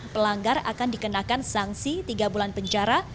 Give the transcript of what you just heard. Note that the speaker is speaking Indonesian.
pelanggar akan dikenakan sanksi tiga bulan penjara